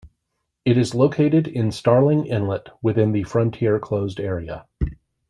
It is located in Starling Inlet, within the Frontier Closed Area.